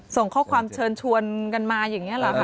ส่งข้อความเชิญชวนกันมาอย่างนี้หรอคะ